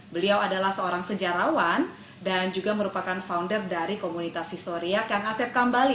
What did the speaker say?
beliau adalah seorang sejarawan dan juga merupakan founder dari komunitas historia kang asep kambali